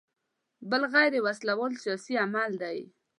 بل غیر وسله وال سیاسي عمل دی.